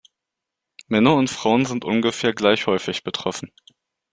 Männer und Frauen sind ungefähr gleich häufig betroffen.